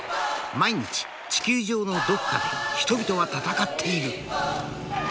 毎日地球上のどこかで人々は戦っている。